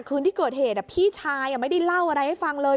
คืนที่เกิดเหตุพี่ชายไม่ได้เล่าอะไรให้ฟังเลย